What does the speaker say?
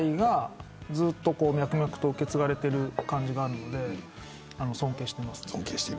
絵自体が脈々と受け継がれている感じがあるので尊敬しています。